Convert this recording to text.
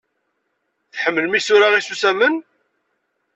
Tḥemmlem isura isusamen?